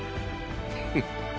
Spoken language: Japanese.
フッ。